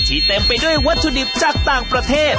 เต็มไปด้วยวัตถุดิบจากต่างประเทศ